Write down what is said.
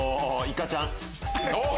いかちゃん。